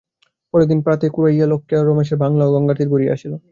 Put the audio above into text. পরদিন প্রাতে খুড়াকে লইয়া অক্ষয় রমেশের বাংলা ও গঙ্গার তীর ঘুরিয়া আসিল।